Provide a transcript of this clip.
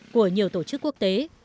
của nhiều tổ chức quốc tế